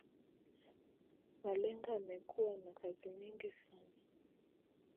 Malenga amekuwa na kazi nyingi sana